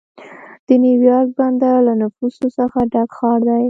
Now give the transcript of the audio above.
د نیویارک بندر له نفوسو څخه ډک ښار دی.